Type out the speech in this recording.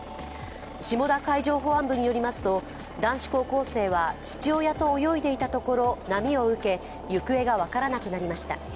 下田海上保安部によりますと男子高校生は父親と泳いでいたところ、波を受け行方が分からなくなりました。